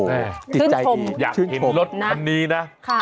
ชื่นชมชื่นชมนะครับค่ะฮืมอยากเห็นรถคันนี้นะ